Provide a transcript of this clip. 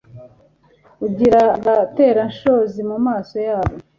ungira agaterashozi mu maso yabo